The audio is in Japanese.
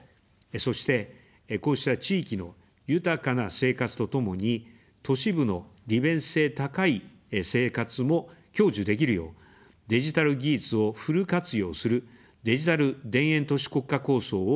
そして、こうした地域の豊かな生活とともに、都市部の利便性高い生活も享受できるよう、デジタル技術をフル活用する「デジタル田園都市国家構想」を進めます。